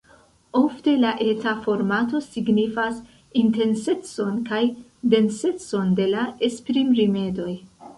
Ofte la eta formato signifas intensecon kaj densecon de la esprimrimedoj.